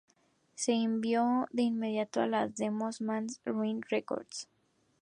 Se envió de inmediato a la demo Man's Ruin Records.